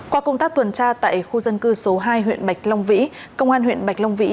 qua công tác tuần tra tại khu dân cư số hai huyện bạch long vĩ công an huyện bạch long vĩ